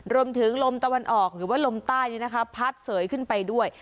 รวมถึงลมตะวันออกหรือว่าลมใต้พัดเสยขึ้นไปด้วย